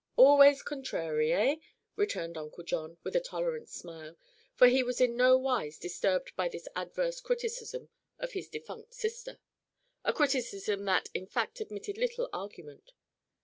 "Always contrary, eh?" returned Uncle John, with a tolerant smile, for he was in no wise disturbed by this adverse criticism of his defunct sister—a criticism that in fact admitted little argument.